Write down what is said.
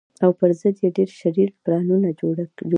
او پر ضد یې ډېر شرير پلانونه جوړېږي